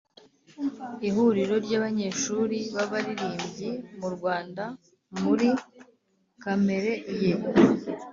Ihuriro ry'abanyeshuri b'abaririmbyi mu Rwanda Muri kamere ye